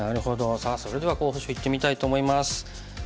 さあそれでは候補手いってみたいと思います。